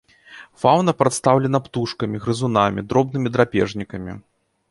Фаўна прадстаўлена птушкамі, грызунамі, дробнымі драпежнікамі.